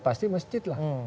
pasti masjid lah